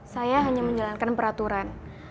saya hanya menjalankan peraturan